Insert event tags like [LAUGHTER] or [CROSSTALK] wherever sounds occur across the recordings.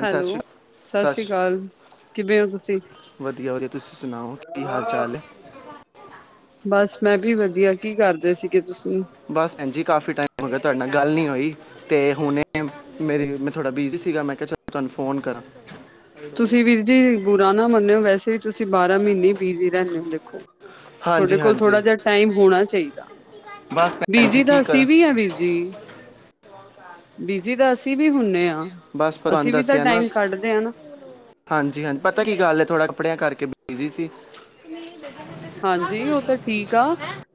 ਅ ਸਤਿ ਹੈਲੋ, ਸ਼੍ਰੀ ਸਤਿ ਸ੍ਰੀ ਸ਼੍ਰੀ ਅਕਾਲ। ਕਿਵੇਂ ਹੋ ਤੁਸੀਂ? ਵਧੀਆ ਵਧੀਆ ਤੁਸੀਂ ਸੁਣਾਓ ਕੀ ਹਾਲ ਚਾਲ ਹੈ। ਬਸ ਮੈਂ ਵੀ ਵਧੀਆ ਕੀ ਕਰਦੇ ਸੀਗੇ ਤੁਸੀਂ ਬਸ ਐਂਜੀ ਕਾਫੀ ਟਾਈਮ ਹੋ ਗਿਆ ਤੁਹਾਡੇ ਨਾਲ ਗੱਲ ਨੀ ਹੋਈ ਤੇ ਹੁਣੇ ਮੇਰੀ ਮੈਂ ਥੋੜ੍ਹਾ ਬਿਜੀ ਸੀਗਾ ਮੈਂ ਕਿਹਾ ਚਲ ਤੁਹਾਨੂੰ ਫੋਨ ਕਰਾਂ ਤੁਸੀਂ ਵੀਰ ਜੀ ਬੁਰਾ ਨਾ ਮੰਨਿਓ ਵੈਸੇ ਵੀ ਤੁਸੀਂ ਬਾਰਾਂ ਮਹੀਨੇ ਹੀ ਬੀਜੀ ਰਹਿੰਦੇ ਹੋ ਦੇਖੋ ਤੁਹਾਡੇ ਹਾਂਜੀ ਕੋਲ ਹਾਂਜੀ ਥੋੜਾ ਜਿਹਾ ਟਾਈਮ ਹੋਣਾ ਚਾਹੀਦਾ ਬਸ ਭੈਣ ਜੀ ਬਿਜੀ ਕੀ ਤਾਂ ਕਰਾਂ ਅਸੀਂ ਵੀ ਹਾ ਵੀਰ ਜੀ ਬਿਜੀ ਤਾਂ ਅਸੀਂ ਵੀ ਹੁੰਦੇ ਹਾਂ ਬਸ ਪਰ ਤੁਹਾਨੂੰ ਅਸੀਂ ਵੀ ਤਾਂ ਦੱਸਿਆ ਨਾ ਟਾਈਮ ਕੱਢਦੇ ਹਾਂ ਨਾ ਹਾਂਜੀ ਹਾਂਜੀ ਪਤਾ ਕੀ ਗੱਲ ਥੋੜ੍ਹਾ ਕੱਪੜਿਆਂ ਕਰਕੇ ਬਿਜੀ ਸੀ। ਹਾਂਜੀ ਉਹ ਤਾਂ ਠੀਕ ਆ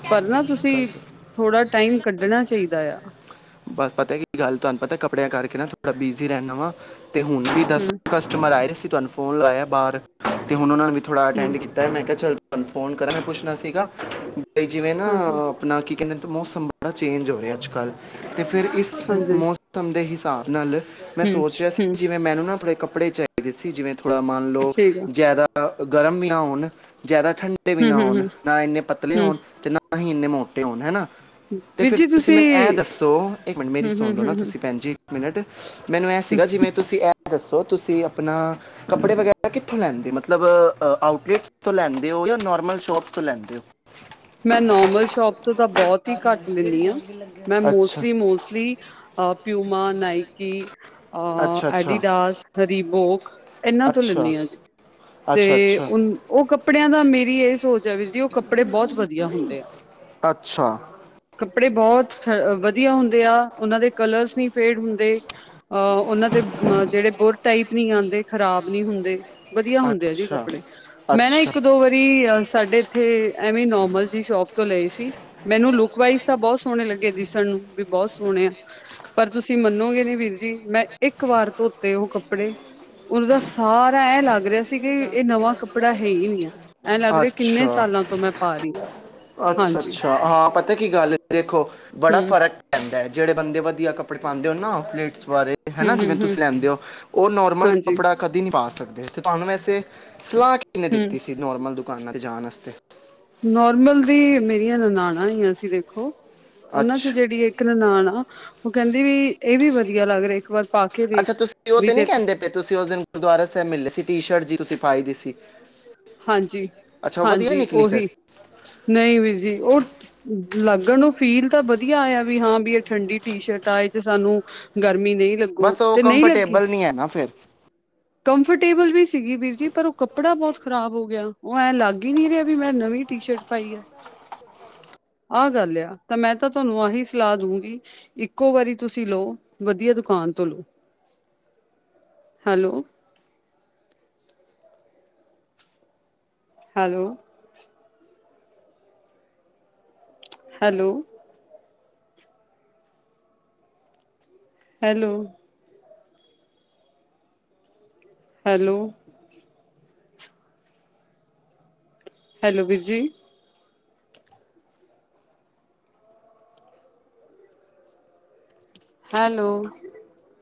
ਪਰ ਨਾ ਤੁਸੀਂ ਕੱਲ੍ਹ ਥੋੜਾ ਟਾਈਮ ਕੱਢਣਾ ਚਾਹੀਦਾ ਆ। ਬਸ ਪਤਾ ਕੀ ਗੱਲ ਤੁਹਾਨੂੰ ਪਤਾ ਕੱਪੜਿਆਂ ਕਰਕੇ ਨਾ ਥੋੜਾ ਬਿਜੀ ਰਹਿੰਨਾ ਵਾ ਤੇ ਹੁਣ ਵੀ ਦੱਸ ਹੂੰ, ਕਸਟਮਰ ਆਏ ਸੀ ਤੁਹਾਨੂੰ ਫੋਨ ਲਗਾਇਆ ਬਾਹਰ ਤੇ ਹੁਣ ਉਹਨਾਂ ਨੇ ਵੀ ਥੋੜਾ ਹੂੰ, ਅਟੈਂਡ ਕੀਤਾ ਤਾਂ ਮੈਂ ਕਿਹਾ ਚੱਲ ਤੁਹਾਨੂੰ ਫੋਨ ਕਰਾਂ ਮੈਂ ਪੁੱਛਣਾ ਸੀਗਾ ਬਾਈ ਜਿਵੇਂ ਨਾ ਹਾਂਜੀ। ਆਪਣਾ ਕੀ ਕਹਿੰਦੇ ਨੇ ਮੌਸਮ ਬੜਾ ਚੇਂਜ ਹੋ ਰਿਹਾ ਅੱਜ ਕੱਲ੍ਹ ਅ ਤੇ ਫਿਰ ਇਸ ਹਾਂਜੀ, ਮੌਸਮ ਦੇ ਹਿਸਾਬ ਨਾਲ ਮੈਂ ਹੂੰ, ਸੋਚ ਰਿਹਾ ਸੀ ਹੂੰ, ਜਿਵੇਂ ਮੈਨੂੰ ਨਾ ਥੋੜੇ ਕੱਪੜੇ ਚਾਹੀਦੇ ਸੀ। ਜਿਵੇਂ ਥੋੜਾ ਮੰਨ ਲਓ ਠੀਕ ਆ, ਜ਼ਿਆਦਾ। ਗਰਮ ਵੀ ਨਾ ਹੋਣ ਜ਼ਿਆਦਾ ਠੰਡੇ ਵੀ ਹੂੰ, ਨਾ ਹੂੰ, ਹੋਣ, ਹੂੰ, ਨਾ ਇਨੇ ਪਤਲੇ ਹੂੰ। ਹੋਣ ਤੇ ਨਾ ਨਾ ਹੀ ਇੰਨੇ ਮੋਟੇ ਹੋਣ ਹੈਨਾ। ਤੇ ਵੀਰ ਫਿਰ ਜੀ ਤੁਸੀਂ। ਮੈਨੂੰ ਇਹ ਦੱਸੋ ਇੱਕ ਮਿੰਟ ਮੇਰੀ ਹੂੰ ਹੂੰ ਸੁਣ ਲੋ ਨਾ ਹੂੰ ਹੂੰ ਤੁਸੀਂ ਭੈਣ ਜੀ ਇੱਕ ਮਿੰਟ, ਮੈਨੂੰ ਇਹਂ ਸੀਗਾ ਜਿਵੇਂ ਤੁਸੀਂ ਅ। ਦੱਸੋ ਤੁਸੀਂ ਆਪਣਾ ਕੱਪੜੇ ਵਗੈਰਾ ਕਿੱਥੋਂ ਲੈਂਦੇ ਮਤਲਬ ਆਊਟ ਲਿਟਸ ਤੋਂ ਲੈਂਦੇ ਹੋ ਯਾਂ ਨੋਰਮਲ ਸ਼ੋਪ ਤੋਂ ਲੈਂਦੇ ਹੋ। ਮੈਂ ਨੋਰਮਲ ਸ਼ੋਪ ਤੋਂ ਤਾਂ ਬਹੁਤ ਤੀ ਘੱਟ ਲੈਂਦੀ ਹਾਂ। ਮੈਂ ਅੱਛਾ ਮੋਸਟਲੀ-ਮੋਸਟਲੀ ਅ ਪਿਊਮਾ ਨਾਇਕੀ। ਅੱਛਾ ਅਹ ਅੱਛਾ ਐਡੀਡਸ ਰੀਬੋਕ। ਇਹਨਾਂ ਤੋਂ ਅੱਛਾ ਲੈਂਦੀ ਹਾਂ ਜੀ ਤੇ ਅੱਛਾ ਹੁਣ ਉਹ ਕੱਪੜਿਆਂ ਦਾ ਮੇਰੀ ਇਹ ਸੋਚ ਏ ਵੀਰ ਜੀ, ਉਹ ਕੱਪੜੇ ਬਹੁਤ ਵਧੀਆ ਹੁੰਦੇ ਆ। ਅੱਛਾ। ਕੱਪੜੇ ਬਹੁਤ ਫ ਵਧੀਆ ਹੁੰਦੇ ਆ, ਉਹਨਾਂ ਦੇ ਕਲਰਸ ਨਹੀਂ ਫੇਡ ਹੁੰਦੇ। ਅ ਉਹਨਾਂ ਦੇ ਜਿਹੜੇ ਬੁਰ ਟਾਈਪ ਨੀ ਆਂਦੇ ਖ਼ਰਾਬ ਨੀ ਹੁੰਦੇ। ਵਧੀਆ ਹੁੰਦੇ ਆ ਜੀ ਅੱਛਾ ਕੱਪੜੇ, ਮੈਂ ਨਾ ਅੱਛਾ ਇੱਕ ਦੋ ਵਾਰੀ ਸਾਡੇ ਇੱਥੇ ਐਵੇਂ ਨੋ ਨੋਰਮਲ ਜੀ ਸ਼ੋਪ ਤੋਂ ਲਏ ਸੀ। ਮੈਨੂੰ ਲੁਕ ਵਾਈਜ਼ ਤਾਂ ਬਹੁਤ ਸੋਹਣੇ ਲੱਗੇ ਦਿਸਣ ਨੂੰ ਵੀ ਬਹੁਤ ਸੋਹਣੇ ਆ ਪਰ ਤੁਸੀਂ ਮੰਨੋਗੇ ਨੀ ਵੀਰ ਜੀ ਮੈਂ ਇੱਕ ਵਾਰ ਧੋਤੇ ਉਹ ਕੱਪੜੇ। ਉਹਨੂੰ ਦਾ ਸਾਰਾ ਐ ਲੱਗ ਰਿਹਾ ਸੀ ਕਿ ਇਹ ਨਵਾਂ ਕੱਪੜਾ ਹੈ ਹੀ ਨੀ ਆ। ਐਂ ਲੱਗ ਰਿਹਾ ਕਿੰਨੇ ਸਾਲਾਂ ਤੋਂ ਮੈਂ ਪਾ ਰਹੀ ਆ। ਅੱਛਾ-ਅੱਛਾ, ਹਾਂ ਪਤਾ ਕੀ ਗੱਲ ਦੇਖੋ ਬੜਾ ਹਮ ਫ਼ਰਕ। ਪੈਂਦਾ ਐ, ਜਿਹੜੇ ਬੰਦੇ ਵਧੀਆ ਕੱਪੜੇ ਪਾਂਦੇ ਹੋਣ ਨਾ ਆਊਟ ਲਿਟਸ ਵਾਲੇ। ਹੈਨਾ ਹਮ ਜਿਵੇਂ ਹਮ ਹਮ ਤੁਸੀਂ ਲੈਂਦੇ ਹੋ, ਉਹ ਨੋਰਮਲ ਹਾਂਜੀ ਕੱਪੜਾ ਕਦੇ ਨਹੀਂ ਪਾ ਸਕਦੇ ਅਤੇ ਤੁਹਾਨੂੰ ਵਸੇ ਸਲਾਹ ਕਿਨੇ ਹੂੰ ਦਿੱਤੀ ਸੀ ਨੋਰਮਲ ਦੁਕਾਨਾਂ ਤੇ ਜਾਣ ਵਾਸਤੇ। ਨੋਰਮਲ ਦੀ ਮੇਰੀਆਂ ਨਨਾਣਾਂ ਆਈਆਂ ਸੀਂ ਦੇਖੋ ਉਹਨਾਂ ਚ ਅੱਛਾ ਜਿਹੜੀ ਇੱਕ ਇੱਕ ਨਨਾਨ ਆ, ਉਹ ਕਹਿੰਦੀ ਵੀ ਇਹ ਵੀ ਵਧੀਆ ਲੱਗ ਰਹੇ। ਅੱਛਾ, ਤੁਸੀਂ ਉਹ ਤੇ ਨੀ ਕਹਿੰਦੇ ਤੇ ਤੁਸੀਂ ਉਸ ਦਿਨ ਗੁਰਦੁਆਰਾ ਸਾਹਿਬ ਮਿਲੇ ਸੀ ਟੀ ਸ਼ਰਟ ਜਹੀ ਤੁਸੀਂ ਪਾਈ ਦੀ ਸੀ।। ਅੱਛਾ ਉਹ ਵਧੀਆ ਹਾਂਜੀ-ਹਾਂਜੀ, ਨਿਕਲੀ ਓਹੀ ਫਿਰ ਨਈ ਵੀਰ ਜੀ ਉਹ। ਲੱਗਣ ਨੂੰ ਫੀਲ ਤਾਂ ਵਧੀਆ ਆਇਆ ਵੀ ਹਾਂ ਵੀ ਇਹ ਠੰਡੀ ਟੀ ਸ਼ਰਟ ਆ ਇਹ ਚ ਸਾਨੂੰ ਗਰਮੀ ਨਈ ਲੱਗੂ ਤੇ ਨੀ ਲੱਗੀ। ਨੀ ਏ ਨਾ ਫੇਰ ਕੰਫਰਟੇਬਲ ਵੀ ਸੀਗੀ ਵੀਰ ਜੀ ਪਰ ਉਹ ਕੱਪੜਾ ਬਹੁਤ ਖ਼ਰਾਬ ਹੋ ਗਿਆ। ਉਹ ਐਂ ਲੱਗ ਹੀ ਨੀ ਰਿਹਾ ਵੀ ਮੈਂ ਨਵੀਂ ਟੀ ਸ਼ਰਟ ਪਾਈ ਆ। ਆਹ ਗੱਲ ਆ ਤਾਂ ਮੈਂ ਤਾਂ ਤੁਹਾਨੂੰ ਆਹੀ ਸਲਾਹ ਦਊਗੀ। ਇੱਕੋ ਵਾਰੀ ਤੁਸੀਂ ਲੋਓ, ਵਧੀਆ ਦੁਕਾਨ ਤੋਂ ਲਓ। [INAUDIBLE] Hello. Hello. Hello. Hello. Hello. Hello ਵੀਰ ਜੀ। ਹੈਲੋ।